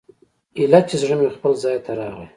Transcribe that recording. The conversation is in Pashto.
ايله چې زړه مې خپل ځاى ته راغى.